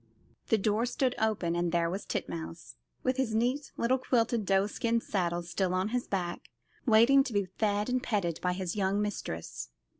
The door stood open, and there was Titmouse, with the neat little quilted doeskin saddle still on his back, waiting to be fed and petted by his young mistress.